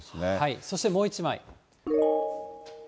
そしてもう１枚。